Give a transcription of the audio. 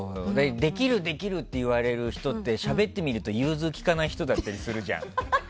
できるできるって言われる人ってしゃべってみると融通きかない人だったりするじゃん。